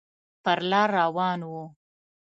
پر لار روان و.